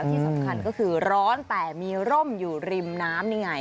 ที่สำคัญก็คือร้อนแต่มีร่มอยู่ริมน้ำนี่ไง